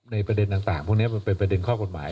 ประเด็นต่างพวกนี้มันเป็นประเด็นข้อกฎหมาย